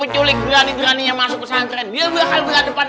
jangan di sini